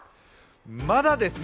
まだですね。